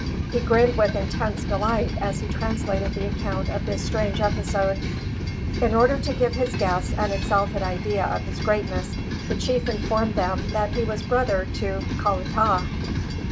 He grinned with intense delight as he translated the account of this strange episode. In order to give his guests an exalted idea of his greatness the chief informed them that he was brother to Kalatah.